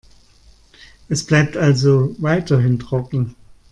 Es bleibt also weiterhin trocken.